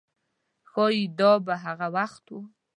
ښایي دا به هغه وخت و.